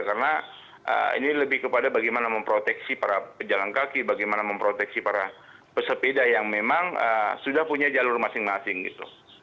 karena ini lebih kepada bagaimana memproteksi para pejalan kaki bagaimana memproteksi para pesepeda yang memang sudah punya jalur masing masing gitu